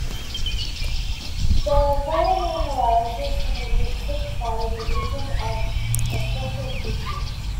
The velamen arises from the root tip by division of a special tissue.